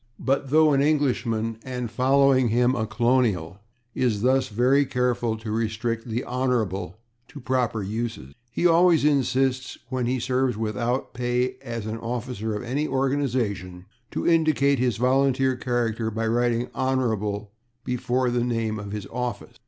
But though an Englishman, and, following him, a colonial, is thus very careful to restrict /the Hon./ to proper uses, he always insists, when he serves without pay as an officer of any organization, to indicate his volunteer character by writing /Hon./ before the name of his office.